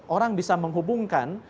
orang bisa menghubungkan